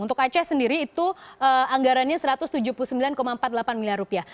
untuk aceh sendiri itu anggarannya satu ratus tujuh puluh sembilan empat puluh delapan miliar rupiah